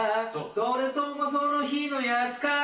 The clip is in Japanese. それともその日のやつかな？